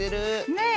ねえ。